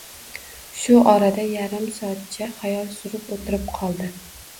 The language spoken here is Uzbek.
Shu orada yarim soatcha xayol surib o`tirib qoldi